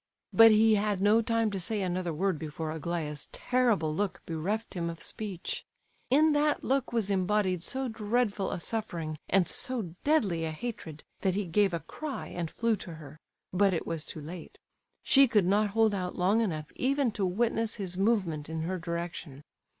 But he had no time to say another word before Aglaya's terrible look bereft him of speech. In that look was embodied so dreadful a suffering and so deadly a hatred, that he gave a cry and flew to her; but it was too late. She could not hold out long enough even to witness his movement in her direction.